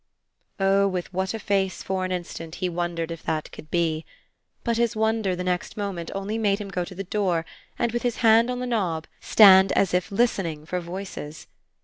Oh with what a face for an instant he wondered if that could be! But his wonder the next moment only made him go to the door and, with his hand on the knob, stand as if listening for voices.